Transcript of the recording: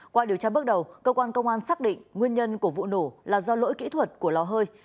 qua điều tra bước đầu cơ quan công an xác định nguyên nhân của vụ nổ là do lỗi kỹ thuật của lò hơi